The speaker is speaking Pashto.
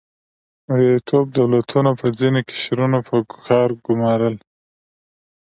مرئیتوب دولتونو به ځینې قشرونه په کار ګمارل.